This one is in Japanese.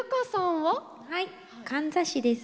はいかんざしです。